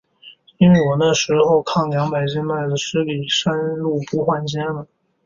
因为我那时候，扛两百斤麦子，十里山路不换肩的。